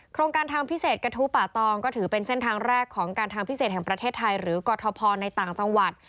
โครงการทางพิเศษกระทู้ป่าตองก็ถือเป็นเส้นทางแรกของการทางพิเศษแห่งประเทศไทยหรือกรทพในต่างจังหวัด